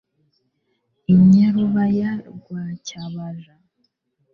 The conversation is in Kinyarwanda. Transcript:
I Nyarubayi rwa Cyabaja.